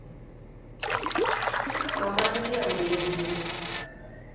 Mo mar dhiang’ be nitie?